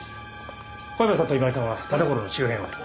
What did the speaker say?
小山さんと今井さんは田所の周辺を。